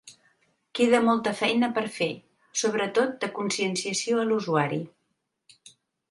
Queda molta feina per fer, sobretot de conscienciació a l’usuari.